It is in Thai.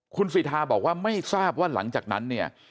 คุณสิทธาบอกว่าไม่ทราบว่าหลังจากนั้นเนี่ย